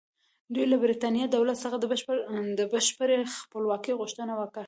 دوی له برېټانیا دولت څخه د بشپړې خپلواکۍ غوښتنه وکړه.